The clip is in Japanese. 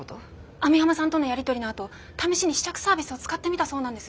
網浜さんとのやり取りのあと試しに試着サービスを使ってみたそうなんです。